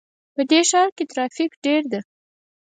په دې ښار کې ترافیک ډېر ده